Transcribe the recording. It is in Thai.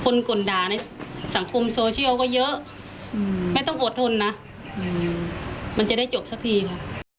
ก่นด่าในสังคมโซเชียลก็เยอะไม่ต้องอดทนนะมันจะได้จบสักทีค่ะ